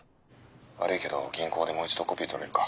悪いけど銀行でもう一度コピー取れるか？